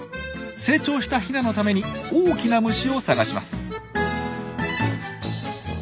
成長したヒナのために大きな虫を探します。